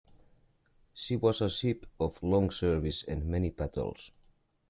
She was a ship of long service and many battles.